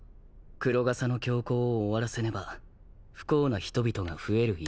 黒笠の凶行を終わらせねば不幸な人々が増える一方。